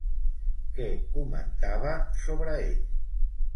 Què comentava sobre ell?